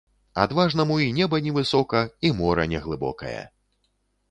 Адважнаму і неба невысока, і мора неглыбокае.